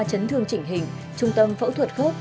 chấn thương chỉnh hình trung tâm phẫu thuật khớp